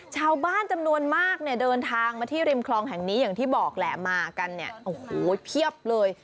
ชาวบ้านจำนวนมากเนี่ยเดินทางมาที่ริมคลองแห่งนี้อย่างที่บอกแหละมากันเนี่ยโอ้โหเพียบเลย